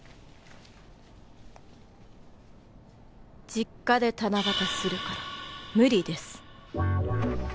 「実家で七夕するから無理です」